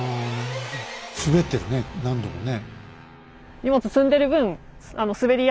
滑ってるね何度もね。